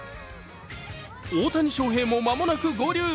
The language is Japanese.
大谷翔平も間もなく合流。